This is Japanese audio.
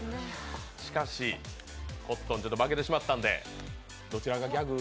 しかし、コットン、負けてしまったんで、どちらかギャグ。